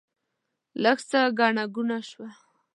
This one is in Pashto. لږ څه ګڼه ګوڼه شوه.